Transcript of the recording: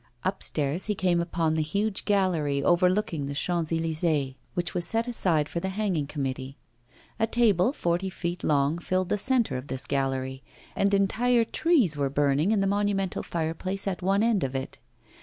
Upstairs, he came upon the huge gallery, overlooking the Champs Elysées, which was set aside for the hanging committee. A table, forty feet long, filled the centre of this gallery, and entire trees were burning in the monumental fireplace at one end of it.